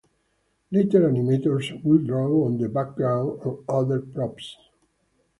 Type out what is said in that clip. Later animators would draw on the background and other props.